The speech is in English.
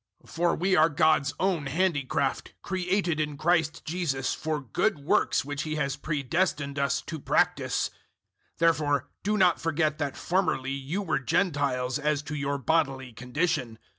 002:010 For we are God's own handiwork, created in Christ Jesus for good works which He has pre destined us to practise. 002:011 Therefore, do not forget that formerly you were Gentiles as to your bodily condition.